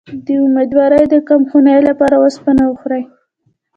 د امیدوارۍ د کمخونی لپاره اوسپنه وخورئ